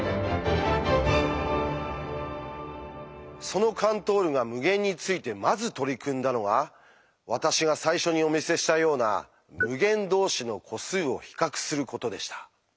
そのカントールが無限についてまず取り組んだのが私が最初にお見せしたような「無限同士の個数を比較する」ことでした。